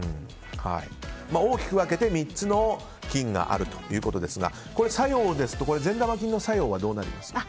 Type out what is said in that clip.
大きく分けて３つの菌があるということですが善玉菌の作用はどうなりますか？